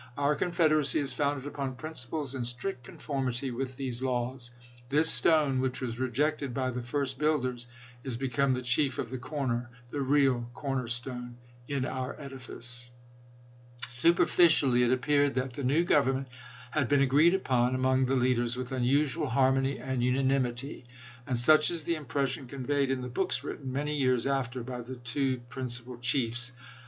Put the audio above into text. Our Confed eracy is founded upon principles in strict conformity with these laws. This stone which was rejected by the first builders " is become the chief of the corner "— the real " corner stone "— in our new edifice. Henry Cleveland, " Life of Alex. H. Stephens," pp. 721 3. Superficially, it appeared that the new govern ment had been agreed upon among the leaders, with unusual harmony and unanimity; and such is the impression conveyed in the books written many years after by the two principal chiefs.